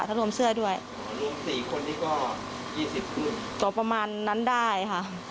ถ้ารวมเสื้อด้วยอ๋อรวมสี่คนที่ก็ยี่สิบคู่ต่อประมาณนั้นได้ค่ะ